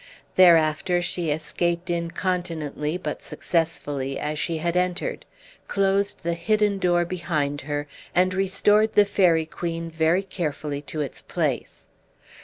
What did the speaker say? Thereafter she escaped incontinently, but successfully, as she had entered; closed the hidden door behind her, and restored The Faerie Queene very carefully to its place.